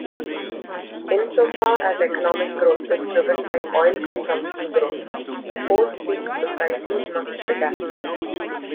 Insofar as economic growth is driven by oil consumption growth, post-peak societies must adapt.